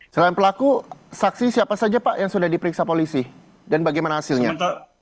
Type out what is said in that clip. selain pelaku saksi siapa saja pak yang sudah diperiksa polisi dan bagaimana hasilnya